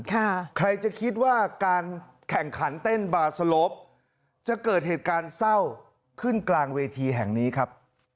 ใครจะคิดว่าการแข่งขันเต้นบาร์สโลปจะเกิดเหตุการณ์เศร้าขึ้นกลางเวทีแห่งนี้ครับ